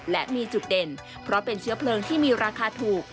และมีจุดเด่นเพราะเป็นเชื้อเพลิงที่มีราคาถูก